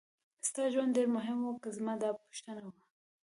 ستا ژوند ډېر مهم و که زما دا پوښتنه وه.